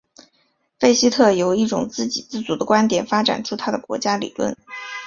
费希特由一种自给自足的观点发展出他的国家理论。